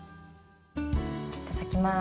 いただきます。